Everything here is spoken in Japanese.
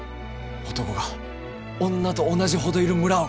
男が女と同じほどいる村を！